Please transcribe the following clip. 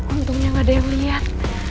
untungnya tidak ada yang melihat